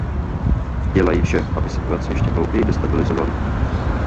Dělají vše, aby situaci ještě hlouběji destabilizovali.